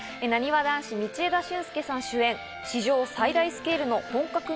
なにわ男子・道枝駿佑さん主演、史上最大スケールの本格